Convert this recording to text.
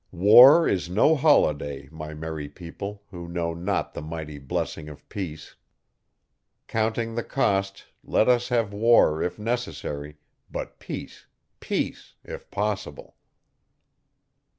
War is no holiday, my merry people, who know not the mighty blessing of peace. Counting the cost, let us have war, if necessary, but peace, peace if possible.